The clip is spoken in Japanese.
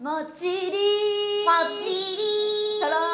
もっちりー。